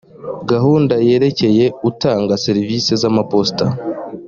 gahunda yerekeye utanga serivisi z’amaposita